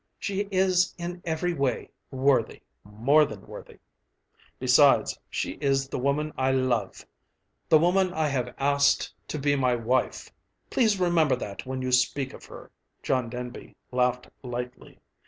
She is in every way worthy more than worthy. Besides, she is the woman I love the woman I have asked to be my wife. Please remember that when you speak of her." John Denby laughed lightly.